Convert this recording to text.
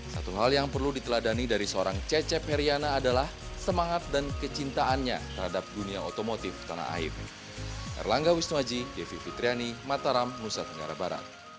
satu hal yang perlu diteladani dari seorang cecep heriana adalah semangat dan kecintaannya terhadap dunia otomotif tanah air